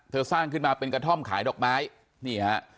สร้างขึ้นมาเป็นกระท่อมขายดอกไม้นี่ฮะ